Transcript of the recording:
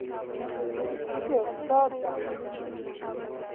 په ښوونځي کې استاد ده